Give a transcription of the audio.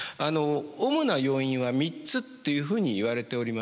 主な要因は３つというふうにいわれております。